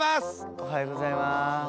おはようございます。